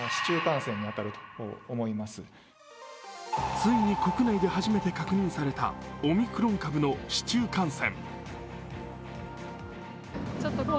ついに国内で初めて確認されたオミクロン株の市中感染。